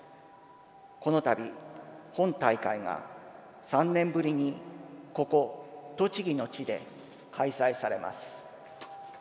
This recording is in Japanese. この度、本大会が、３年ぶりにここ栃木の地で開催されます。